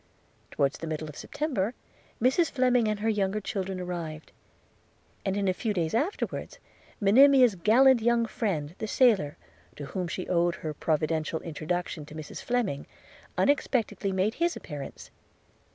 Towards the middle of September, Mrs Fleming and her younger children arrived; and in a few days afterwards Monimia's gallant young friend the sailor, to whom she owed her providential introduction to Mrs Fleming, unexpectedly made his appearance.